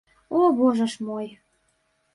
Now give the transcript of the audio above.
О, божа ж мой!